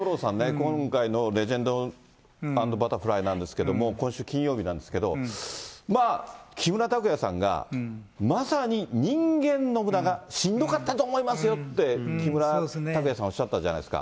でも五郎さんね、今回のレジェンド＆バタフライなんですけど、今週金曜日なんですけど、まあ、木村拓哉さんがまさに人間信長、しんどかったと思いますよって、木村拓哉さん、おっしゃったじゃないですか。